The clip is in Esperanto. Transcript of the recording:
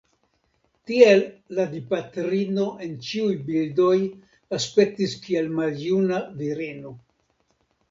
Tiel la Dipatrino en ĉiuj bildoj aspektis kiel maljuna virino.